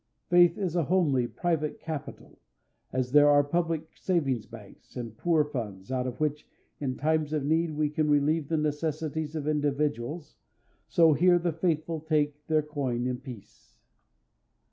Faith is a homely, private capital, as there are public savings banks and poor funds, out of which in times of need we can relieve the necessities of individuals; so here the faithful take their coin in peace.